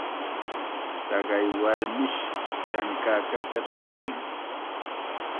Taqay warmish chankakata rantin.